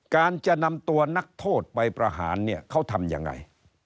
การจะนำตัวนักโทษไปประหารเนี่ยเขาทำยังไง